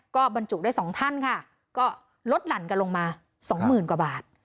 ก็บรรจุได้สองท่านค่ะก็ลดหลั่นกันลงมาสองหมื่นกว่าบาท